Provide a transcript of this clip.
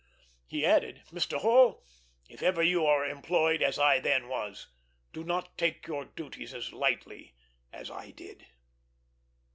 He added, "Mr. Hall, if ever you are employed as I then was, do not take your duties as lightly as I did."